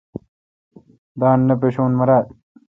دان نہ پشو میرال۔